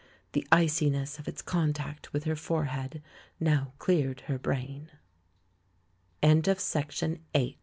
The iciness of its contact with her fore head now cleared her brain. VII Compared with t